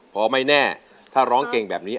พอไม่แน่ถ้าร้องเก่งแบบนี้